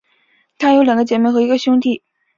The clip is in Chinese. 她有两个姐妹和一个兄弟。